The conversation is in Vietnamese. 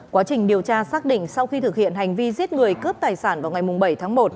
quá trình điều tra xác định sau khi thực hiện hành vi giết người cướp tài sản vào ngày bảy tháng một